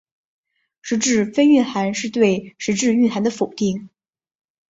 实质非蕴涵是对实质蕴涵的否定。